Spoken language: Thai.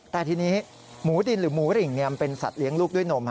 แต่ทีนี้หมูดินหรือหมูหริงเป็นสัตว์เลี้ยงลูกด้วยนม